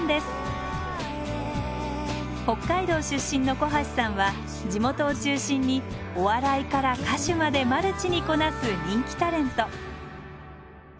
北海道出身の小橋さんは地元を中心にお笑いから歌手までマルチにこなす人気タレント。